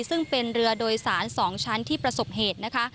ซึ่งเป็นเรือโดยสาร๒ชั้นที่ประสบเหตุนะคะ